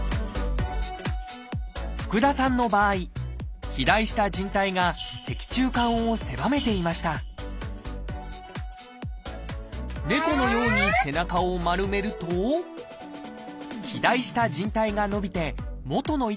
福田さんの場合肥大したじん帯が脊柱管を狭めていました猫のように背中を丸めると肥大したじん帯が伸びて元の位置に戻ります。